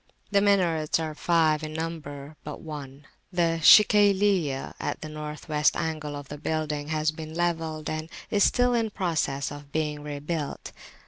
The minarets are five in number; but one, the Shikayliyah, at the North West angle of the building, has been levelled, and is still in process of being rebuilt.